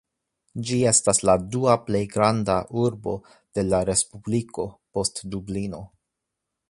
Ĝi estas la dua plej granda urbo de la respubliko, post Dublino.